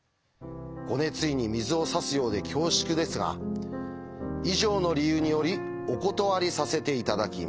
ご熱意に水を差すようで恐縮ですが以上の理由によりお断りさせて頂きます」。